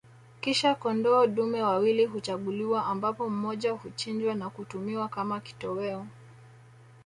Kisha kondoo dume wawili huchaguliwa ambapo mmoja huchinjwa na kutumiwa kama kitoweo